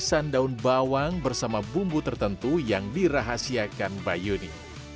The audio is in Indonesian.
kesan daun bawang bersama bumbu tertentu yang dirahasiakan bayuni